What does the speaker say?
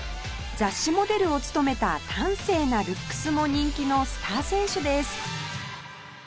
雑誌モデルを務めた端正なルックスも人気のスター選手です